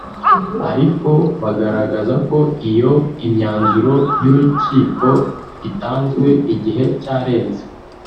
ariko bagaragaza ko iyo imyanzuro y’urukiko itanzwe igihe cyarenze